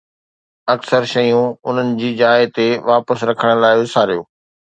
اڪثر شيون انهن جي جاء تي واپس رکڻ لاء وساريو